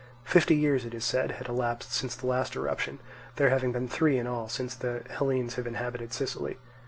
Fifty years, it is said, had elapsed since the last eruption, there having been three in all since the Hellenes have inhabited Sicily.